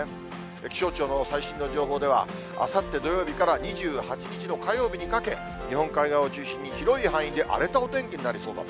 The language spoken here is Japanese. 気象庁の最新の情報では、あさって土曜日から２８日の火曜日にかけ、日本海側を中心に、広い範囲で荒れたお天気になりそうだと。